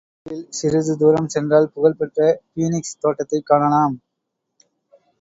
அந்தத் தெருவில் சிறிதுதூரம் சென்றால் புகழ்பெற்ற பீனிக்ஸ் தோட்டத்தைக் காணலாம்.